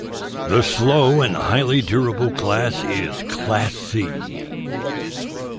The slow, and highly durable class is "Class C".